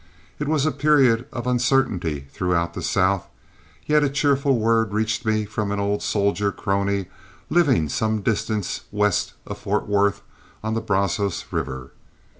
It was a period of uncertainty throughout the South, yet a cheerful word reached me from an old soldier crony living some distance west of Fort Worth on the Brazos River.